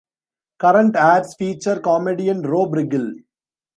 Current ads feature comedian Rob Riggle.